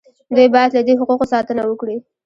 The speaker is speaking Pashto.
دوی باید له دې حقوقو ساتنه وکړي.